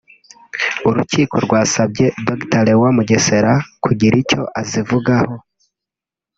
urukiko rwasabye Dr Léon Mugesera kugira icyo azivugaho